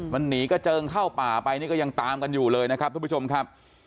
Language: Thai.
มันหนีกระเจิงเข้าป่าไปนี่ก็ยังตามกันอยู่เลยนะครับทุกผู้ชมครับ